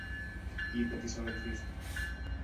είπε της αδελφής του.